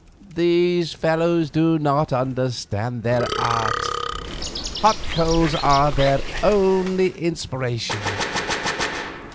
These fellows do not understand their art: hot coals are their only inspiration.